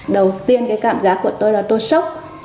đầu tiên cái cảm giác của tôi là tôi sốc